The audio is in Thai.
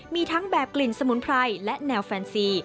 มีทั้งแบบกลิ่นสมุนไพรและแนวแฟนซี